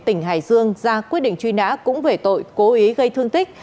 tỉnh hải dương ra quyết định truy nã cũng về tội cố ý gây thương tích